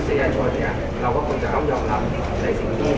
เสร็จไปไม่ได้บอเดอร์ฯก็ฟิด